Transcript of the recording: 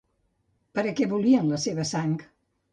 Per a què volien la seva sang?